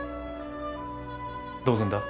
どうするんだ？